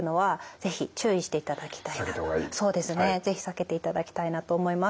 是非避けていただきたいなと思います。